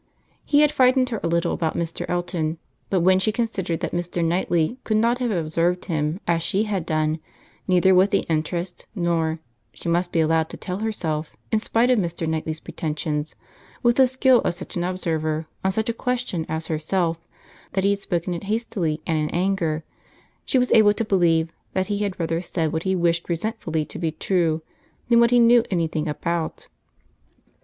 He had frightened her a little about Mr. Elton; but when she considered that Mr. Knightley could not have observed him as she had done, neither with the interest, nor (she must be allowed to tell herself, in spite of Mr. Knightley's pretensions) with the skill of such an observer on such a question as herself, that he had spoken it hastily and in anger, she was able to believe, that he had rather said what he wished resentfully to be true, than what he knew any thing about.